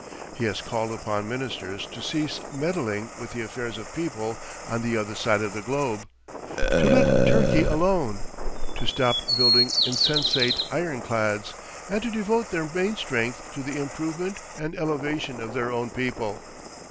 He has called upon ministers to cease meddling with the affairs of people on the other side of the globe, to let Turkey alone, to stop building insensate ironclads, and to devote their main strength to the improvement and elevation of their own people.